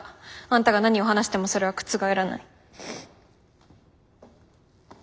あんたが何を話してもそれは覆らない。